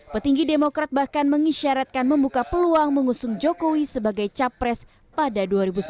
petinggi demokrat bahkan mengisyaratkan membuka peluang mengusung jokowi sebagai capres pada dua ribu sembilan belas